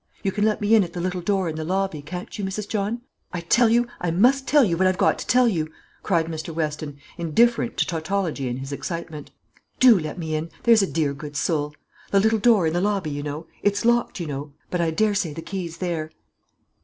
You can let me in at the little door in the lobby, can't you, Mrs. John? I tell you, I must tell you what I've got to tell you," cried Mr. Weston, indifferent to tautology in his excitement. "Do let me in, there's a dear good soul. The little door in the lobby, you know; it's locked, you know, but I dessay the key's there."